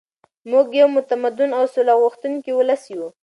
موږ یو متمدن او سوله غوښتونکی ولس یو.